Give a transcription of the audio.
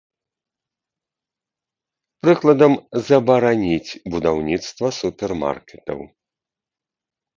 Прыкладам, забараніць будаўніцтва супермаркетаў.